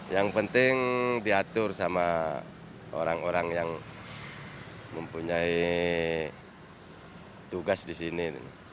yang penting diatur sama orang orang yang mempunyai tugas di sini